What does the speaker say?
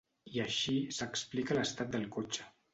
I així s'explica l'estat del cotxe.